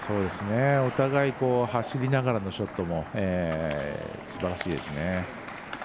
お互い走りながらのショットもすばらしいですね。